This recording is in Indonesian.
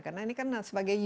karena ini kan sebagai user ya